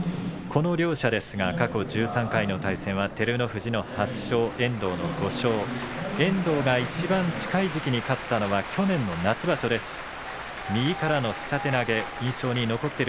この両者ですが過去１３回の対戦照ノ富士８勝、遠藤５勝遠藤が、いちばん近い時期に勝ったのは去年の夏場所でした。